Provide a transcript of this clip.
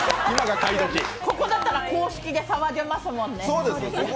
ここだったら公式で騒げますもんね。